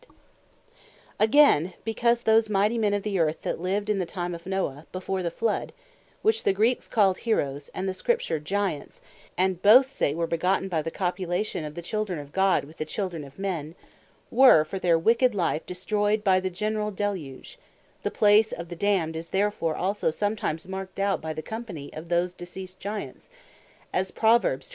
The Congregation Of Giants Again, because those mighty men of the Earth, that lived in the time of Noah, before the floud, (which the Greeks called Heroes, and the Scripture Giants, and both say, were begotten, by copulation of the children of God, with the children of men,) were for their wicked life destroyed by the generall deluge; the place of the Damned, is therefore also sometimes marked out, by the company of those deceased Giants; as Proverbs 21.